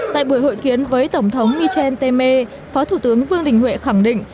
tại buổi hội kiến với tổng thống michel temer phó thủ tướng vương đình huệ khẳng định